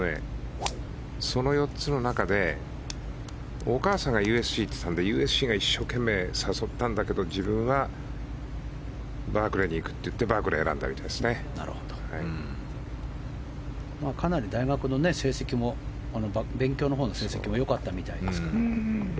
その中でお母さんがＵＳＣに行っていたのでＵＳＣが一生懸命誘ったんだけど自分はバークレーに行くって言ってバークレーをかなり大学の成績も勉強のほうの成績もよかったみたいですからね。